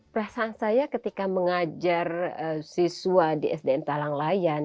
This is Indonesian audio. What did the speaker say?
perasaan saya ketika mengajar siswa di sdm talang layan